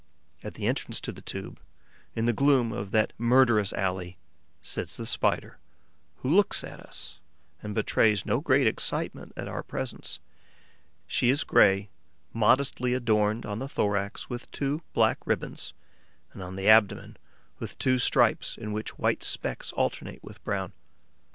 At the entrance to the tube, in the gloom of that murderous alley, sits the Spider, who looks at us and betrays no great excitement at our presence. She is grey, modestly adorned on the thorax with two black ribbons and on the abdomen with two stripes in which white specks alternate with brown.